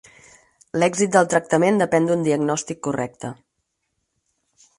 L'èxit del tractament depèn d'un diagnòstic correcte.